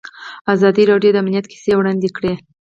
ازادي راډیو د امنیت کیسې وړاندې کړي.